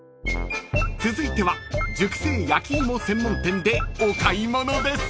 ［続いては熟成焼き芋専門店でお買い物です］